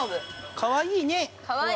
◆かわいいね。